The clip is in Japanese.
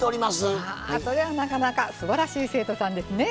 はぁそれはなかなかすばらしい生徒さんですね。